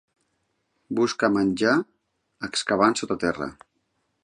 Busca menjar excavant sota terra.